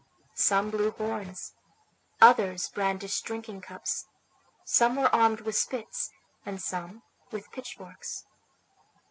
Some blew horns, others brandished drinking cups; some were armed with spits, and some with pitchforks.